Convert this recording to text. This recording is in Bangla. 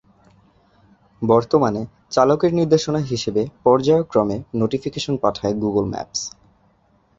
বর্তমানে চালকের নির্দেশনা হিসেবে পর্যায়ক্রমে নোটিফিকেশন পাঠায় গুগল ম্যাপস।